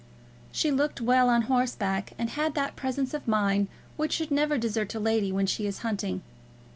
She looked well on horseback, and had that presence of mind which should never desert a lady when she is hunting.